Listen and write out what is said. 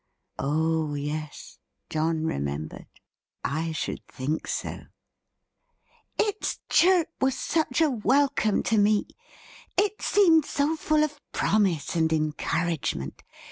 Oh yes. John remembered. I should think so! "Its chirp was such a welcome to me! It seemed so full of promise and encouragement.